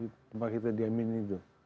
tempat kita diaminin itu